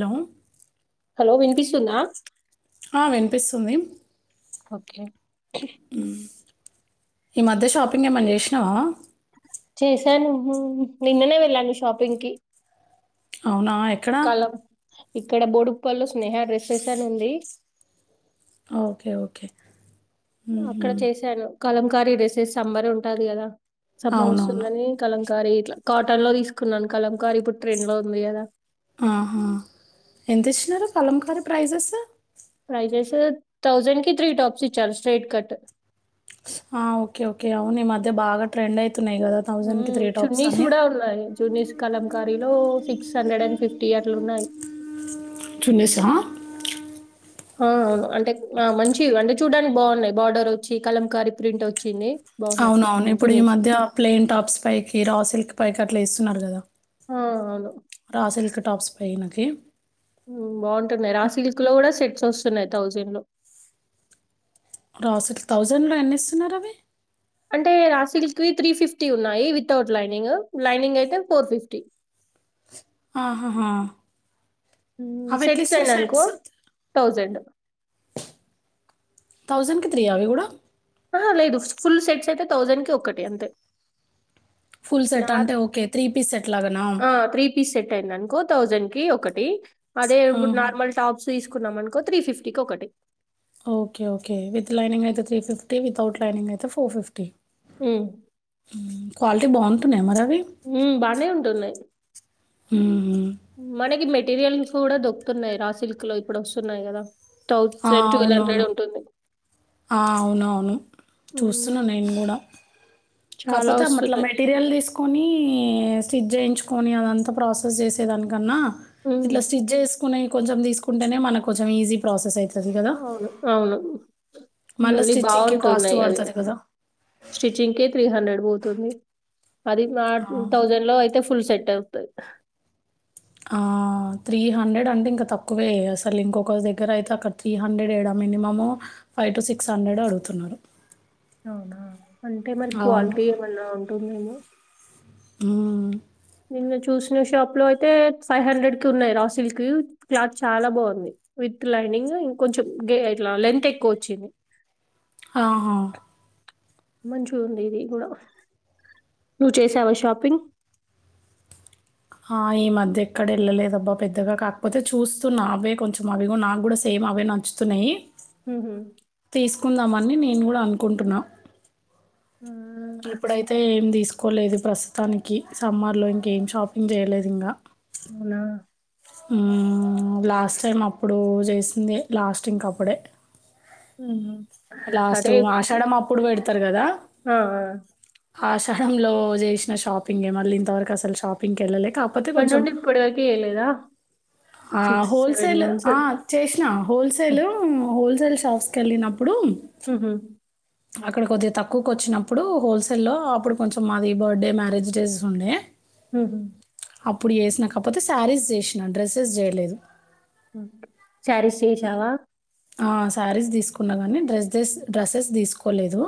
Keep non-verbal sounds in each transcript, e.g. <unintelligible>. Hello hello వినిపిస్తుుంద ఆ వినిపిస్తుంది ఓకే. ఉ ఈ మధ్య షాపింగ్ ఏమని చేసి ఆ చేశాను నిన్ననే వెళ్ళాను షాపింగ్ కి. అవునా ఎక్కడా ఇక్కడ బోడుప్ప లో స్నేహ రడెస్టేషన్ అని ఉంది. ఓకే ఓకే మ్మ్హ. అక్కడ చేసాను కలంకారీ డేసేస్ సంమార్ ఉంటుంది కదా సమ్మర్ అవునవును వస్తుందని కలం కరి ఇట్లా కాటన్ లో తీసుకున్నాను కలంకారి ఇప్పుడు ట్రైన్ లో ఉంది కదా. ఆహా ఎంత ఇచ్చినారు కలం కారీ ప్రైజెస్ స్ ప్రైజెస్ థౌజెడ్ కి త్రీ టాప్స్ ఇచ్చారు స్ట్రేట్ కట్. ఆ ఓకే ఓకే అవు ఈ మధ్య బాగా ట్రెండ్ అయి ఉ చున్నిీస్ కూడా ఉన్నాయి. జూనియర్స్ కలం కరీలో సిక్స్ హండ్రెడ్ అండ్ ఫిఫ్టీ అట్లా ఉన్నాయి. చున్నీసా ఆ అవును అంటే ఆ మంచి అంటే చూడనికి బాగున్నాయి బార్డర్ వచ్చి కలం కారీ ప్రింట్ వచ్చింది. అవున అవును ఇప్పుడు ఈ మధ్య ప్లెయిన్ టాప్స్ పైకి రా సిల్క్ పైకి అట్లా ఇస్త న్నారూగాదా ఆ! అవును. రా సల్క టాప్స్ పైనకు ఫీ బావుంటుంది రా సిల్క్ లో కూడా సెట్స్ వస్ స్తున్నాయితౌజన్ లో రాసిల్క్ థౌజండ్ లో ఏనీ ఇస్తూ న్నారుారవి అంటే రాసిల్క్ త్రీ ఫిఫ్టీ ఉన్నాయి, వితౌట్ లైనింగ్, లైనింగ్ అయితే ఫోర్ ఫిఫ్టీ. ఆహాహ ఉ సెట్స్ అనీ అనుకో థౌజండ్. థౌజండ్ కి త్రీ అవి కూడా లేదు ఫుల్ సెట్స్ అయితే థౌజండ్కి ఒక్కటి అంతే. ఫుల్ సెట్ నార్ అంటే ఓకే త్రీ పీస్ సెట్ లాగానా. థౌజండ్ కి ఒకటి అదే ఇప్పుడు ఆహా! నార్మల్ టాప్స్ తీసుకున్నాం అనుకో త్రీ ఫిఫ్టీకి ఒకటి. ఓకే ఓకే విత్ లైనింగ్ అయితే త్రీ ఫిఫ్టీ వితౌట్ లైనింగ్ అయితే ఫోర్ ఫిఫ్టీ హ్మ్. ఉమ్ కావల బావుంతునాయి ఆ మరి ఉమ్ బానే ఉంటున్నాయి్ హ్మ్. మనకి మెట్ మెటీరియల్స్ కూడా దొక్కుతున్నాయి రా సిల్క్ లో ఇప్పుడు వస్తున్నాయి కదా ఆ! థౌజండ్ ట్వెల్ హండ్రె అవునవును. ఉంటుంది ఆ అవున అవును చూస్తున్నాను ఉమ్, నేను కూడా చాలా కాకపోతే అ అట్ల వస్తున్నాయి మెటీరియల్ తీసుకొని స్టిజ చేయించుకొని అదంతా ప్రాసెస్ చేసేదానికన్నా ఉమ్, ఇట్లా స్జ్ చేసుకునే కొంచెం తీసుకుంటేనే మన కొంచెం ఈజీ ప్రాసెస్ అయితే అవును అవును మళ్ళా మళ్ళీ స్టిచ్చింగ్‌కి కాస్ట్ బాగుంటున్నాయి అవి పడతది గదా! స్టిచ్చింగ్ కి త్రీ హండ్ర ఎడు పోతుంది అదిూ ఆ థౌజండ్ లో అయితే ఫుల్ సెట్ అవతా ఆ త్రీ హండ్రెడ్ అంటే ఇంకా తక్కువే అసలు ఇంకొక దగ్గర అయితే అక్కడ త్రీ హండ్రెడ్ ఏడా minimum five to six hundred అడుగుతున్నారు అవునా అంటే మరి అవును. క్వాలిటీ ఏమన్నా ఉంటుందేమో ఉమ్ నిన్న చూసిన షాప్ లో అయితే ఫైవ్ హండ్రెడ్ కి ఉన్నాయి రా సిల్క్ క్లాత్ చాలా బాగుంది విత్ లైనింగ్ ఇంకోంచం గ ఇట్లా లెంత్ ఎక్కువ వచ్చింది ఆహా మంచిగా ఉంది ఇది కూడా నువ్వు చేసావా షాపింగ్ ఆ ఈ మధ్య ఎక్కడ వెళ్ళలేదబ్బా పెద్దగా కాకపోతే చూస్తూ నా అవే కొంచెం అవిగ నాకు కూడా సేమ్ అవే నచ్చుతున్నాయి ఉహుమ్ తీసుకుందామని నేను కూడా అనుకుంటున్నా హ్మ్. ఇప్పుడైతే ఏం తీసుకు కోలేదు ప్రస్తుతానికి సమ్మార్లో ఇంకేం షాపింగ్ చేయలేదు ఇంగా అవునా ఉమ్మ్ లాస్ట్ టైమ్ అప్పుడు చేసింది లాస్టింగ్కి అప్పుడే ఉమ్ లాస్ట్ ఆషాడ అప్పుడు పెడతారు కదా ఆ! ఆ! ఆషాడలో చేసిన షాపింగ్ మళ్ళీ ఇంతవరకు అసలు షాపింగ్ అప్పడ నుండి ఇప్పుటి వరక ఎలేదా ఆ హోల్సేల్ ఆ చేసిన హోల్సేల్ హ్మ్. హోల్స తెల్స్ హౌస్కి వెళ్ళినప్ అప్పుడు హుహు. అక్కడ కొద్దిగా తక్కువకు వచ్చినప్పుడు, హోల్సేల్లో అప్పుడు కొంచెం మాది, బర్డే మ్యారేజ్ డేస్ ఉండే ఉహ్మ్ అప్పుడు వేసిన కాక్పోతే శారీస్ చేసిన డ్రెస్ సక్సెస్ చేయలేదు హ్మ్ శారిస్ చేేషావా ఆ శారీస్ తీసుకున్నా కానీ డ్రెస్దె డ్రెస్సెస్ తీసుకోలేదు.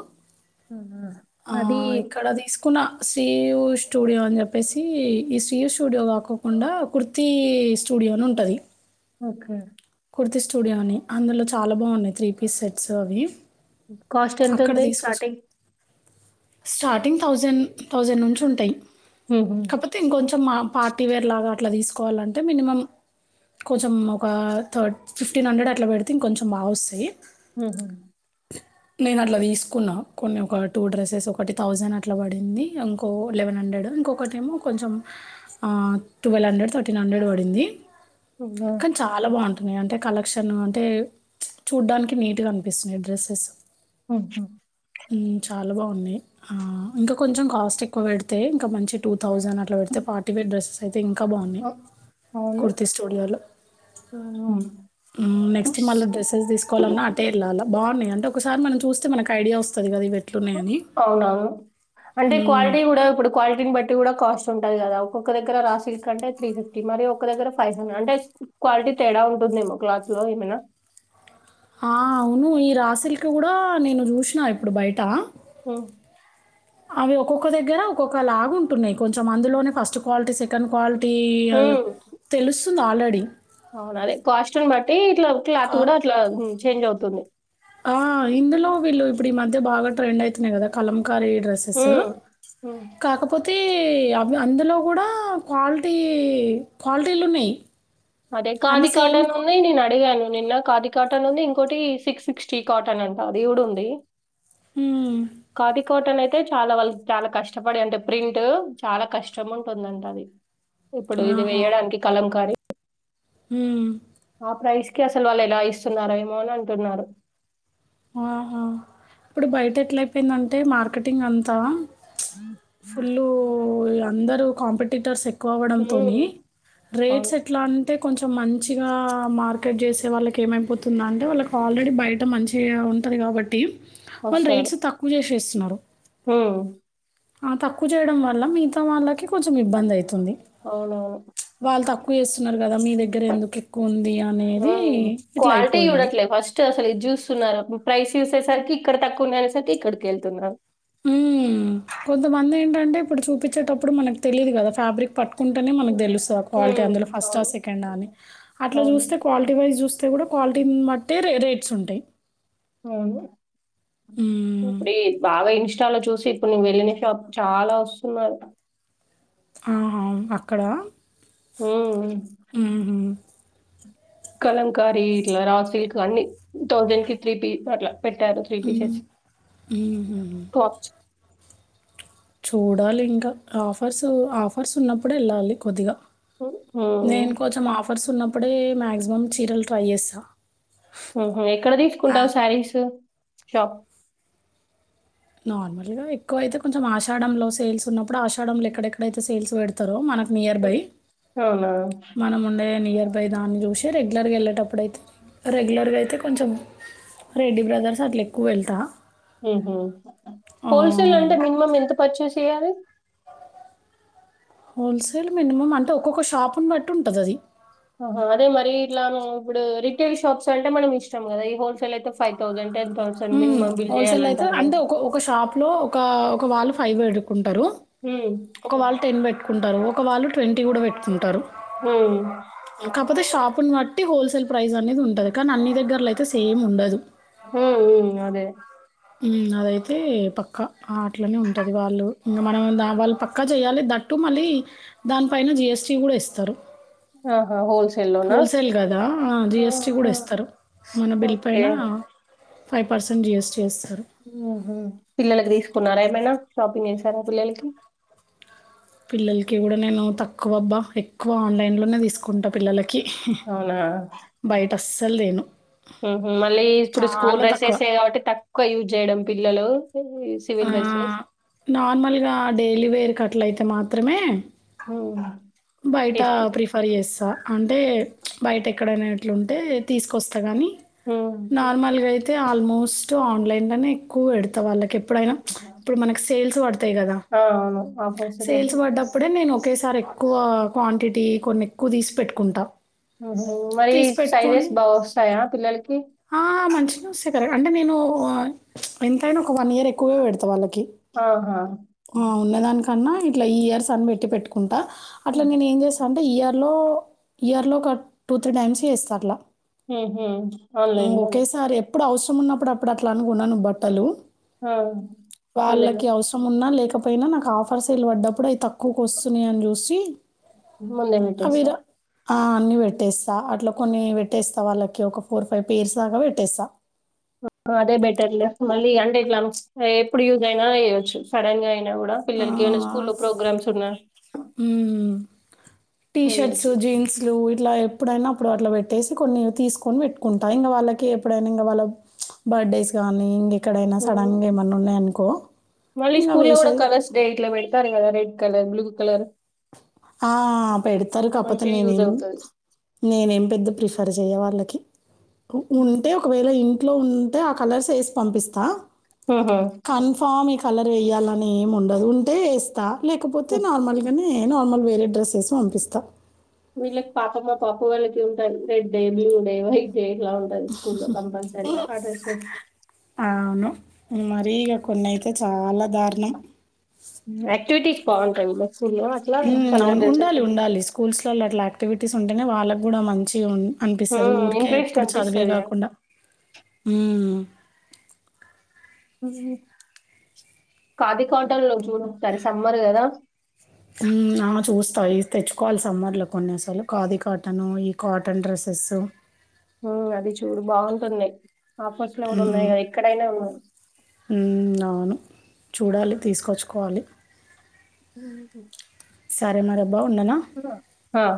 ఆహా! ఆ అది ఇక్కడ దీస్ కున్న శ్రీయు స్టూడియో అని చెప్పేసి ఈ శ్రీయు స్టూడియో కాకోకుండా కుర్తి స్టూడియో అన్ ఉంటది. ఓకే కుర్తి స్టూడియో అని అందులో చాలా బాగున్నాయి త్రీ పీస్ సెట్స్ అవి కాస్ట్ ఎంత అక్కడ ఉంది తీసుకొచ్చు. స్టార్టింగ్ స్టార్టింగ్ థౌజండ్ థౌజండ్ నుంచి ఉంటాయి. హుహు. కాకపోతే ఇంకొంచెం మా పార్టీ వేర్ లాగా అట్లా తీసుక్ కోవాలంటే మినిమం కొంచెం ఒక థ ఫిఫ్న్ హండ్రెడ్ అట్లా పెడితే ఇంకంచెం బా వస్తాయి. హ్మ్ హు నేను అట్లా తీసుకున్నా కొన్ని ఒక టూ డ్రెస్సెస్ ఒకటి థౌసండ్ అట్లా పడింది. ఇంకో లెవెన్ హండ్రెడ్ ఇంకొకటి ఏమో కొంచెం ఆ ట్వెల్వ్ హండ్రెడ్ థర్టీన్ హండ్రెడ్ పడింది. అవునా? కానీ చాలా బాగుంటుం న్నీ అంటే కలెక్షన్ అంటే ప్చ్ చూడ్డానికి నీట్ గా అనిపిస్తున్నాయి డ్రెస్సెస్ <unintelligible> హ్మ్ చాలా బాగున్నాయి ఆ ఇంకా కొంచెం కాస్ట్ ఎక్కువ పెడితే ఇంకా మంచి టూత్ థౌజండ్ అట్లా పెడితే పార్టీవేర్ డ్రెస్సెస్ అయితే ఇంకా బాగున్నాయి. అ అవును. కుర్తి స్టూడియోలో ఆ నెక్స్ట్ మళ్ళె హ్మ్. డ్రెస్సెస్ తీసుకోవాలన్నా అటే ఇర్లాలా బాగున్నాయ అంటే ఒకసారి మనం చూస్తే మనకు ఐడియా వస్తది. కదా ఇవి పెట్ అవునవును అంటే హ్మ్. క్వాలిటీ కూడా ఇప్పుడు క్వాలిటీని బట్టి కూడా కాస్ట్ ఉంట్ ఉండది కదా ఒక్కొక్క దగ్గర రా సిల్క్ అంటే త్రీ ఫిఫ్టీ మరి ఒక దగ్గర ఫైవ్ హండ్రెడ్ అంటే, స్ క్వాలిటీ తేడా ఉంటుందేమో, క్లాత్ లో ఏమైనా ఆ అవును ఈ రాసిల్క్ కూడా నేను చూసినా ఇప్పుడు బయట హ అవి ఒక్కొక్క దగ్గర ఒక్కొక్క లాగు ఉంటున్నాయి. కొంచెం అందులోనే ఫస్ట్ క్వాలిటీ సెకండ్ క్వాల్ టీ <unintelligible> తెలుసు తుంది ఆల్రెడీ అవున అదే కాస్ట్యుల్ని బట్టి ఇట్లా క క్లాత్ కూడా అట్లా గున్ చేంజ్ అవుతుంది ఆ ఇందులో వీళ్ళు ఇప్పుడు ఈ మధ్య బాగా ట్రెండ్ అయితున్నాయి కదా కలం డ్రెస్సెస్ హ్మ్. హ్మ్. కాకపో అయితే అవి అందులో కూడా క్వాలిటీ క్వాలిటీలు ఉన్నాయి అదే కాది కాటను ఉన్నాయి నిను అడిగాను నిన్న కాది కాటన్ ఉంది ఇంకోటి సిక్స్ సిక్స్టీ కాటన్ అంట అది కూడా ఉంది హ్మ్. కాది కాటనే అయితే చాలా వాళ్ళకి చాలా కష్టపడి అంటే ప్రింట్ చాలా కష్టం ఉంటుందంట అది ఇప్పుడు ఇది వేయడానికి కలం కారీ హుమ్ ఆ ప్రైస్ కి అసలు వాళ్ళు ఎలా ఇస్తున్నారో ఏమో అని అంటున్నారు ఆహా ఇప్పుడు బయట ఎట్లయిపోయిందంటే మార్కెటింగ్ అంతా ఫులు అందరూ కాంపిటటర్స్ ఎక్ హ్మ్. పోవడంతోనీ అవును. రేట్స్ ఎట్లా అంటే కొంచెం మంచిగా మార్కెట్ చేసే వాళ్ళకి ఏమైపోతుందని వాళ్ళకి ఆల్రెడీ బయట మంచి చే ఉంటుంది కాబట్టి వాళ్ళు రేట్స్ తక్కువ చేసేస్తారు ఉన్నారు హుమ్ ఆ తక్కువ చేయడం వల్ల మిగతా వాళ్ళకి కొంచెం ఇబ్బంది అయిత్ తుంది అవునవును. వాళ్ళ తక్కు స్తున్నారు కదా మీ దగ్గర ఎందుకు ఎక్కువ ఉంది అనేది హ్మ్. ఇట్లా క్వాలిటీ అయిపోయింది చూడట్లే ఫస్ట్ అసలు ఇది చూస్తున్నారు ప్రైస్ చూసేసరికి ఇక్కడ తక్కువ ఉన్నాయ అనేసరికి ఇక్కడికి వెళ్తున్నారు ఉ కొంతమంది ఏంటంటే ఇప్పుడు చూపించేటప్పుడు మనకు తెలీదు కదా ఫ్యాబ్రిక్ పట్టుకుంటేనే మనకు తెలుసు ఆ క్వాలిటీ హ్మ్. అందులో ఫస్ట్ ఆ అవును. సెకండ్ ఆ అని అట్లా అవును. చూస్తే క్వాలిటీ వైస్ చూస్తే కూడా క్వాలిటీ బట్టే రేట్ స్ ఉంటాయి హ్మ్. ఇప్పుడే బావ ఇ చాలా చూసి ఇప్పుడు ను వెళ్ళిన షాప్ చాలా వస్తున్నారు ఆ అక్కడ హుమ్ కలంకారీ ఇట్లా రాసిల్క్ అన్ని థౌసండ్ కి త్రీ పిస్ అట్లా పెట్టారు త్రీ హ్మ్. పీసెస్ప్స్ హుహు. చూడాలి ఇంకా ఆఫ్ ఆఫర్స్ ఆఫర్స్ ఉన్నప్పుడే వెళ్ళాలి కొద్దిగా హ్మ్. హ్మ్. నేను కొంచెం ఆఫ్ ఆఫర్స్ ఉన్నప్పుడే మేగ్జిమం చీరలు ట్రై చేస్తా ఊహూ ఎక్కడ తీసుకుంటావు శారీస్ షాప్ నార్మల్ గా ఎక్కువ అయితే కొంచెం ఆషాఢంలో సేల్స్ ఉన్నప్పుడు ఆషాఢంలో ఎక్కడెక్కడయితే సేల్స్ పెడతారో మనకు నియర్ బై హ్మ్. అవునా? మనం ఉండే నియర్ బై దాన్ని చూసి రెగ్యులర్గా వెళ్ళేటప్పుడు అయితే రెగ్యులర్గా అయితే కొంచెం రెడ్డి బ్రదర్స్ అట్లే ఎక్కువ వెళ్తా ఊహూ హోల్ సేల్ ఆహ్, అంటే మినిమమ్ ఎంత పచ్చిస్ ఇయారు హోల్ సేల్ మినిమం అంటే ఒక్కొక్క షాపుని బట్టి ఉంటది అది ఆహా అదే మరి ఇట్లా ఇప్పుడు రిటైయిల్ షాప్స్ అంటే మనం ఇష్టం కదా ఈ హోల్ సేల్ అయితే ఫైవ్ థౌజండ్ టెన్ హ్మ్ హోల్ సేల్ అయితే అంటే ఒక ఒక షాప్ లో ఒక ఒక వాళ్ళు ఫైవ్ ఎడుకుంటారు హ్మ్. ఒక వాళ్ళు టెన్ బెట్ పెట్టుకుంటారు ఒక వాళ్ళు ట్వంటీ కూడా పెట్టుకుంటారు హ్మ్ కాకపోతే షాపుని బట్టి హోల్ సేల్ ప్రైస్ అనేది ఉంటది కానీ అన్ని దగ్గరలో అయితే సేమ్ ఉండదు. హ్మ్ మ్మ్ అదే హ్మ్ అదైతే పక్కా అట్లానే ఉంటాది. వాళ్ళు ఇంకా మనం వాళ్ళు పక్కా చేయాలి దట్టూ మళ్ళీ దానిపైన జిఎస్టీ కూడా ఇస్తారు. ఆహా హోల్ సే హోల్ సేల్ కదా జిఎస్టి కూడా హ్మ్. ఇస్తారు మన బిల్ ఓకే. పైన ఫైవ్ పర్సెంట్ జిఎస్టీ వస్ పిల్లలకు తీసుకున్నారా ఏమైనా షాపింగ్ చేసార పిల్లలకి పిల్లలకి కూడా నేను తక్కువబ్బా ఎక్కువ ఆన్లైన్ లోనే తీసుకుంటా పిల్లలకి ఓకే బయట అస్ అసల్ తేను ఊహూ మళ్ళీ ఇప్పుడు స్కూల్ డ్రెస్సెస్ తక్కువ యే కాబట్టి తక్కువ యూస్ చేయడం పి పిల్లలు సివిల్ ఆ డ్రెస్సెస్ నార్మల్గా డైలీ వేర్ కట్ అట్లయితే మాత్రమే హ్మ్ బయట ప్రిఫర్ చేస్తా అంటే బయట ఎక్కడైనా అట్లుంటే తీసుకొస్తా కానీ ఉమ్. నార్మల్ గా అయి అయితే ఆల్మోస్ట్ ఆన్లైన్ లోనే ఎక్కువ పెడతా వాళ్ళకి ఎప్పుడైనా ఇప్పుడు మనకి సేల్స్ పడతాయి కదా ఆ, అవును ఆఫర్స్ సేల్స్ ఉన్నప్పుడు పడ్డప్పుడే నేను ఒకేసారి ఆ క్వాంటిటీ కొన్ని ఎక్కువ తీసి పెట్టుకుంటాం ఓహో మరి సైజెస్ బాగా వస్తాయా పిల్లలకి మంచిగనే వస్తాయి కరెక్ట్. అంటే నేను ఆ ఎంతైనా ఒక వన్ ఇయర్ ఎక్కువే పెడతా వాళ్ళకి ఆహా ఉండదానికన్నా ఇట్లా ఈ ఇయర్స్ అని పెట్టి పెట్టుకుంటా అట్లా నేను ఏం చేస్తానుంటే ఈఆర్ లో ఇయర్ లో ఒక టూ త్రీ టైమ్స్ చేస్తా అట్లా ఆన్లైన్లోనే ఒకేసారి ఎప్పుడు అవసరం ఉన్నప్పుడు అప్పుడు అట్లా అను ఉలన్ బట్టలు ముందే వాళ్ళకి అవసరం ఉన్నా లేక్ ఇకపోయినా నాకు ఆఫర్ సేల్ పడ్డప్పుడు అయి తక్కువకు వస్తున్నాయేమో చూసి <unintelligible> అవి ర సార్ ఆ అన్ని వెట్టేస్తా అట్లా కొన్ని వెట్టేస్తా వాళ్ళకి ఒక ఫోర్ ఫైవ్ పేర్స్ దాకా పెట్టేస్తా యమ్ ఎప్పుడు యూస్ అయినా చేయ్యచ్చు సడన్ గా అయినా కూడా ఆ! పిల్లలకి ఏమైన స్కూల్లో ప్రోగ్రామ్స్ ఉన్నా టీషర్ట్స్ వేయొచ్చు జీన్స్లు ఇట్లా ఎప్పుడైనా అప్పుడు అట్లా పెట్టేసి కొన్ని తీసుకొని వెట్టుకుంటా ఇంకా వాళ్ళకి ఎప్పుడైనా ఇంగా వాళ్ళ బర్త్డేస్ గానీ ఇంకెక్కడైనా ఉమ్ సడన్‌గా ఏమన్నా ఉన్నాయనుకో, మళ్ళీ ఇంగ స్కూల్లో కూడా వేషే కలర్స్ డే ఇట్లా పెడతారు కదా రెడ్ కలర్ బ్లూ కలర్ ఆహ్ పెడతారు కాకపోతే మంచిగా యూజ్ నేనేం అవుతది నేనేం పెద్ద ప్రిఫర్ చేయ వాళ్ళకి కి ఉ ఉంటే ఒకవేళ ఇన్ ఇంట్లో ఉంటే ఆ కలర్స్ ఏసి పంపిస్తా ఆహా కన్ఫామ్ ఇక్ కలర్ ఏయాలని ఏం ఉండదు ఉంటే ఏస్తా లేకపోతే నార్మల్గానే ఏ నార్మల్ వేరే డ్రెస్ ఏసి పంపిస్తా వీళ్ళక్ పాపమ్ మా పాప వాళ్ళకి ఉంటాయి రెడ్డే బ్లూడే వైట్ డేట్లా ఉంటది స్కూల్లో కంపల్సరీ ఆ డ్రస్ అవును. మరీ ఇగ కొన్నయితే చాలా దారుణం ఆక్టివిటీస్ బాగుంటాయి విల ఉమ్ అవును ఉండాలి ఉండాలి స్కూల్స్ లల్లో అట్లా యాక్టివిటీస్ ఉం అయినా వాళ్ళక్ గూడా మంచిగా ఉం అనిపిస్తది ఊర్కె ఇంట్రెస్ట్ ఎప్పుడు చదువే అనిపిస్తది కదా కాకుండా ఉమ్ ఉమ్ కాదీ కాటన్లో చూడు తడి సమ్మర్ కదా హ్మ్. ఆ! చూస్తా ఇవి తెచ్చుకోవాలి సమ్మర్లో కొన్ని అసలు కాదీ కాటను, ఈ కాటన్ డ్రెస్సెస్ హ్మ్మ్ అది చూడు బాగుంటుంది ఆఫర్స్ లో కూడా హ్మ్. ఉన్నాయి ఎక్కడైనా ఉన్న హ్మ్. అవును. చూడాలి తీసుకోచ్చుకోవాలి హ్మ్ హు సరే మరబా ఉండన ఆ.